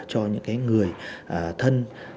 cho những cái người thân